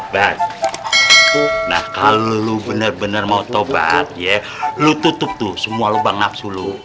bat nah kalau lo benar benar mau tobat ya lu tutup tuh semua lubang nafsu lo